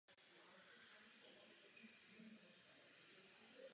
Využívá se především pro fotbalová utkání místního klubu Real Zaragoza.